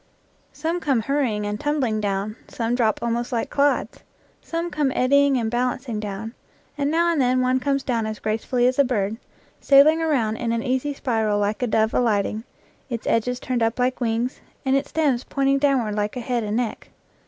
Some come hurrying and tumbling down; some drop almost like clods; some come eddying and bal ancing down ; and now and then one comes down as gracefully as a bird, sailing around in an easy spiral like a dove alighting, its edges turned up like wings, and its stems pointing downward like a head and neck.